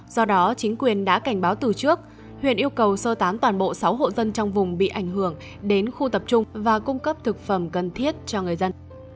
do đó chính quyền đã cảnh báo từ trước huyện yêu cầu sơ tán toàn bộ sáu hộ dân trong vùng bị ảnh hưởng đến khu tập trung và cung cấp thực phẩm cần thiết cho người dân